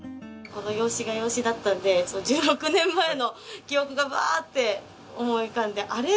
この容姿が容姿だったので１６年前の記憶がバーッて思い浮かんであれ？